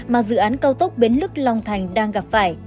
mà dự án cao tốc bến lức long thành đang gặp phải